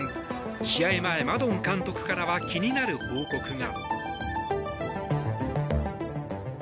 試合前、マドン監督からは気になる報告が。